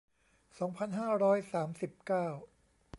สองพันห้าร้อยสามสิบเก้า